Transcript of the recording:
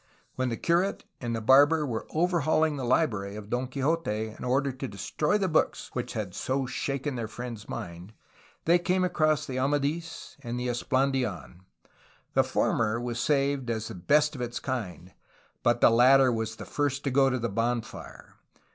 When the curate and the barber were overhauling the library of Don Quixote in order to destroy the books which had so shaken their friend's mind, they came across the Amadis and the Esplandidn, The former was saved as the best of its kind, but the latter was the first to go to the bonfire.